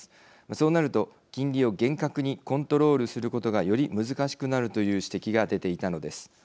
そうなると金利を厳格にコントロールすることがより難しくなるという指摘が出ていたのです。